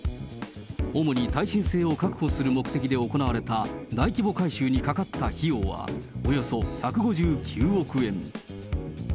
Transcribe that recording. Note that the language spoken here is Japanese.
主に耐震性を確保する目的で行われた大規模改修にかかった費用は、およそ１５９億円。